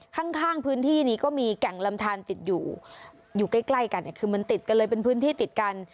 ข้างพื้นที่นี้ก็มีแก่งลำทานติดอยู่อยู่ใกล้ใกล้กันเนี่ยคือมันติดกันเลยเป็นพื้นที่ติดกัน